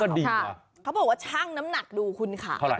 เขาบอกว่าช่างน้ำหนักดูคุณค่ะ